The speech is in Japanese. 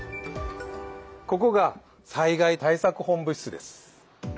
ここが災害対策本部室です。